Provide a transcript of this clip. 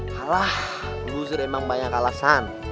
kalah guzer emang banyak alasan